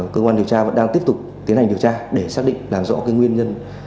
cơ quan điều tra vẫn đang tiếp tục tiến hành điều tra để xác định làm rõ nguyên nhân